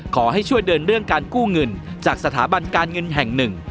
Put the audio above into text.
ขอให้ช่วยเดินเรื่องการกู้เงินจากสถาบันการเงินแห่งหนึ่ง